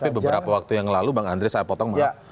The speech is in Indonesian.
tapi beberapa waktu yang lalu bang andre saya potong maaf